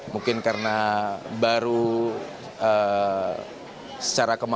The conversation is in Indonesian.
mungkin karena baru secara kemana